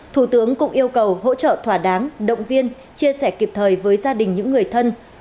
thủ tướng cũng yêu cầu hỗ trợ thỏa đáng động viên chia sẻ kịp thời với gia đình những người thân